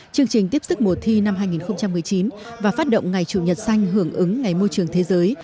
chương trình tiếp sức mùa thi năm hai nghìn một mươi chín và phát động ngày chủ nhật xanh hưởng ứng ngày môi trường thế giới